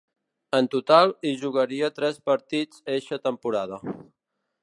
En total hi jugaria tres partits eixa temporada.